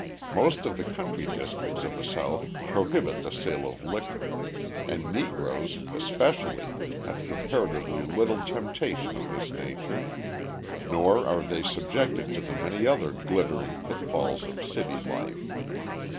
Most of the country districts of the South prohibit the sale of liquor; and Negroes, especially, have comparatively little temptation of this nature, nor are they subjected to the many other glittering pitfalls of city life.